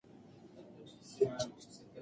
د ملکیار په سبک کې د کلماتو تړښت ډېر طبیعي برېښي.